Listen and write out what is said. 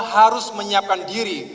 harus menyiapkan diri